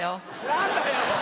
何だよ！